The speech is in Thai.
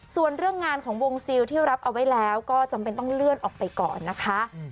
ส่วนเรื่องงานของวงซิลที่รับเอาไว้แล้วก็จำเป็นต้องเลื่อนออกไปก่อนนะคะ